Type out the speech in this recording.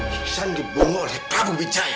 iksan dibunuh oleh prabu wijaya